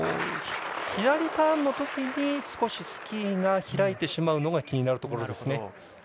左ターンのときに、少しスキーが開いてしまうのが気になるところですね。